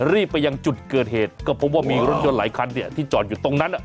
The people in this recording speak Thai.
รีบไปยังจุดเกิดเหตุก็พบว่ามีรถยนต์หลายคันที่จอดอยู่ตรงนั้น